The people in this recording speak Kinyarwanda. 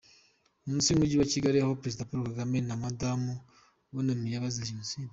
munsi mu mujyi wa Kigali aho Perezida Paul Kagame na Madamu bunamiye abazize Jenoside.